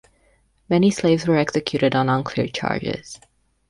Many slaves were executed on unclear charges.